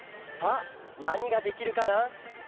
なにができるかな？